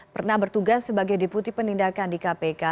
pernah bertugas sebagai deputi penindakan di kpk